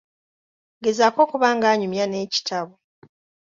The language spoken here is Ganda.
Gezaako okuba ng'anyumya n'ekitabo.